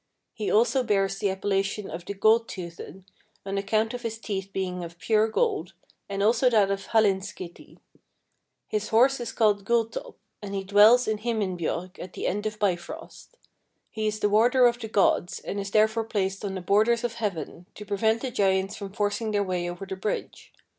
He also bears the appellation of the Gold toothed, on account of his teeth being of pure gold, and also that of Hallinskithi. His horse is called Gulltopp, and he dwells in Himinbjorg at the end of Bifrost. He is the warder of the gods, and is therefore placed on the borders of heaven, to prevent the giants from forcing their way over the bridge.